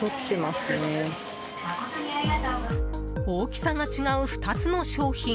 大きさが違う２つの商品。